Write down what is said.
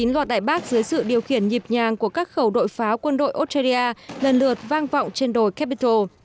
một mươi chín loạt đại bắc dưới sự điều khiển nhịp nhàng của các khẩu đội pháo quân đội australia lần lượt vang vọng trên đồi capitol